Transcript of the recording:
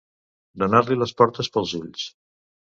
Donar-li les portes pels ulls.